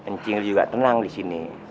ncing lu juga tenang disini